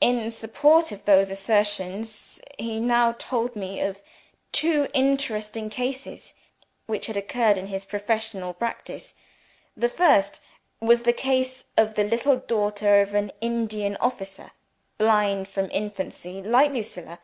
In support of those assertions, he now told me of two interesting cases which had occurred in his professional practice. The first was the case of the little daughter of an Indian officer blind from infancy like Lucilla.